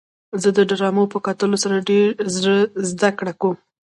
زه د ډرامو په کتلو سره ډېره زدهکړه کوم.